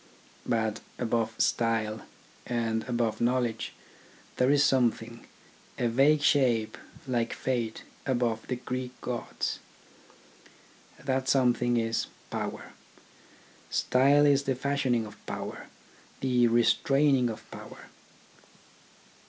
But above style, and above knowledge, there is something, a vague shape like fate above the Greek gods. That something is Power. Style is the fashioning of power, the restraining of power.